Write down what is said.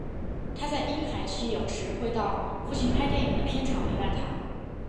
她在婴孩期有时会到父亲拍电影的片场陪伴他。